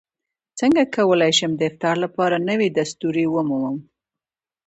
څنګه کولی شم د افتار لپاره نوې دستورې ومومم